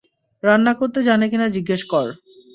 রান্না করতে জানে কিনা জিজ্ঞেসা কর।